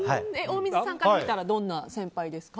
大水さんから見たらどんな先輩ですか？